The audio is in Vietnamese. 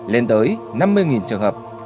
lên tới năm mươi trường hợp